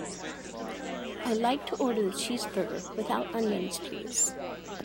I'd like to order the cheeseburger without onions, please.